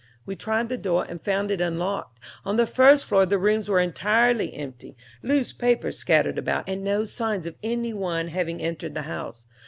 We tried the door and found it unlocked. On the first floor the rooms were entirely empty, loose papers scattered about, and no signs of any one having entered the house.